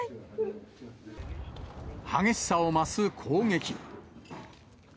激しさを増す攻撃。